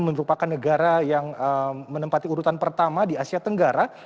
merupakan negara yang menempati urutan pertama di asia tenggara